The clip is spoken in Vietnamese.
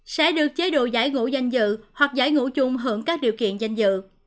sẽ được chế độ giải ngũ danh dự hoặc giải ngũ chung hưởng các điều kiện danh dự